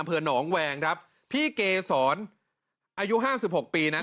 เผื่อน้องแหวงครับพี่เกย์สอนอายุ๕๖ปีนะ